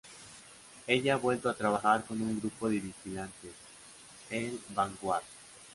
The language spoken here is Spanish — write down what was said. Ella ha vuelto a trabajar con un grupo de vigilantes, el Vanguard.